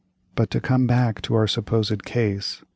"But, to come back to our supposed case.